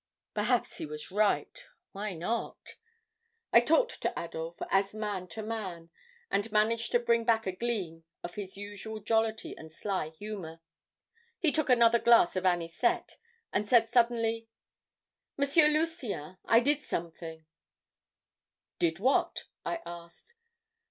Perhaps he was right why not? "I talked to Adolphe as man to man, and managed to bring back a gleam of his usual jollity and sly humor. He took another glass of anisette, and said suddenly: "'M. Lucien I did something ' "'Did what?' I asked.